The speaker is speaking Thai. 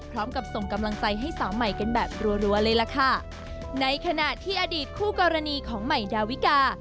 ส่งกำลังใจให้สาวใหม่กันแบบรัวเลยล่ะค่ะในขณะที่อดีตคู่กรณีของใหม่ดาวิกา